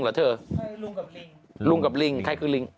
ลุงกับลิงใครคือลิง